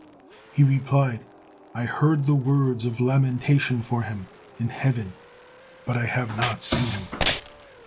He replied: "I heard the words of lamentation for him in heaven, but I have not seen him."